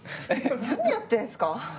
何やってんすか？